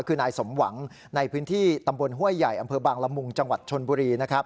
คือนายสมหวังในพื้นที่ตำบลห้วยใหญ่อำเภอบางละมุงจังหวัดชนบุรีนะครับ